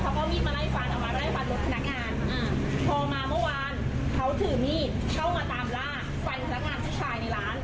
เอามีดเข้ามาตามล่าฝ่ายพนักงานผู้ชายในร้าน